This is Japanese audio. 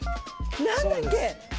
何だっけ？